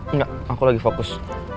enggak aku lagi fokus